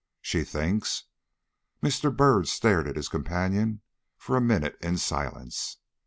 She thinks! Mr. Byrd stared at his companion for a minute in silence.